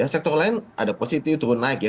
sektor lain ada positif turun lagi